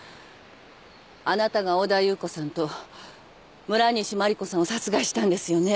あなたが小田夕子さんと村西麻里子さんを殺害したんですよね。